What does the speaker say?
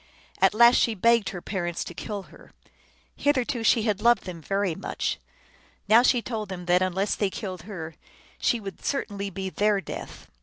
At last she begged her parents to kill her. Hitherto she had loved them very much. Now she told them that un less they killed her she would certainly be their death.